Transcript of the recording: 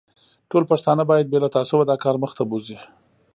ټوله پښتانه باید بې له تعصبه دا کار مخ ته بوزي.